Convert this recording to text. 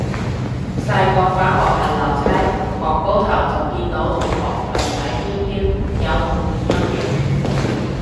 細個返學行樓梯，顎高頭就見到同學裙底飄飄，有童年陰影